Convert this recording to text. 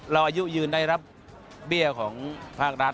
อายุยืนได้รับเบี้ยของภาครัฐ